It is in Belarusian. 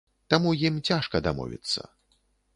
Таму ім цяжка дамовіцца.